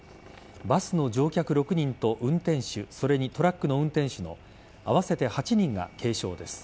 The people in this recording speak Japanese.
バスの乗客６人と運転手それにトラックの運転手の合わせて８人が軽傷です。